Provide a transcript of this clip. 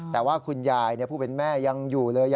แต่ว่าคุณยายผู้เป็นแม่ยังอยู่เลย